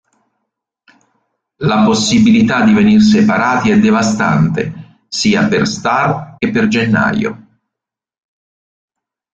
La possibilità di venir separati è devastante sia per Star che per Gennaio.